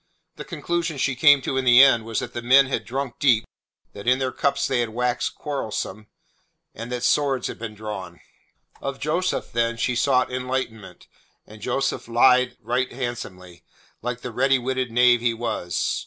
The conclusion she came to in the end was that the men had drunk deep, that in their cups they had waxed quarrelsome, and that swords had been drawn. Of Joseph then she sought enlightenment, and Joseph lied right handsomely, like the ready witted knave he was.